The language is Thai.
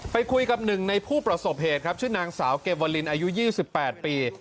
ไปคุยกับหนึ่งในผู้ประสบเหตุครับชื่อนางสาวเกวาลินอายุ๒๘ปี